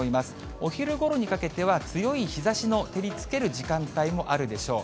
お昼ごろにかけては、強い日ざしの照りつける時間帯もあるでしょう。